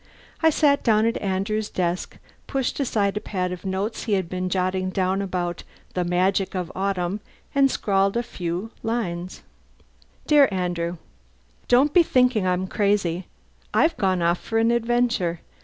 I sat down at Andrew's desk, pushed aside a pad of notes he had been jotting down about "the magic of autumn," and scrawled a few lines: DEAR ANDREW, Don't be thinking I'm crazy. I've gone off for an adventure.